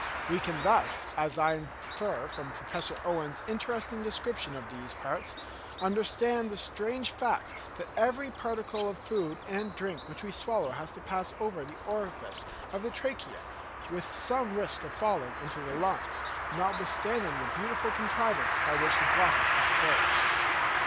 We can thus, as I infer from Professor Owen's interesting description of these parts, understand the strange fact that every particle of food and drink which we swallow has to pass over the orifice of the trachea, with some risk of falling into the lungs, notwithstanding the beautiful contrivance by which the glottis is closed.